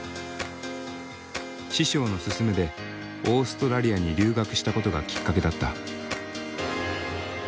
師匠の勧めでオーストラリアに留学したことがきっかけだった。